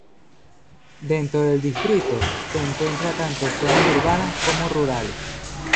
Dentro del distrito, se encuentra tanto zonas urbanas como rurales.